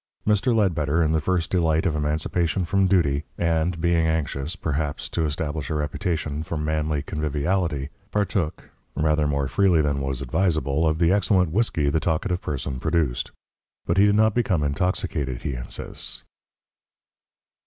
Mr. Ledbetter, in the first delight of emancipation from "duty," and being anxious, perhaps, to establish a reputation for manly conviviality, partook, rather more freely than was advisable, of the excellent whisky the talkative person produced. But he did not become intoxicated, he insists.